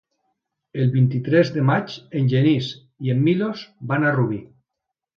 El vint-i-tres de maig en Genís i en Milos van a Rubí.